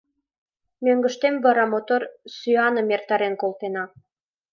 Мӧҥгыштем вара мотор сӱаным эртарен колтена.